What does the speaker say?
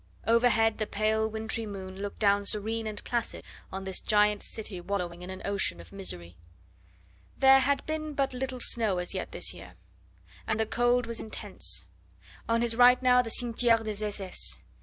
Overhead the pale, wintry moon looked down serene and placid on this giant city wallowing in an ocean of misery. There, had been but little snow as yet this year, and the cold was intense. On his right now the Cimetiere des SS.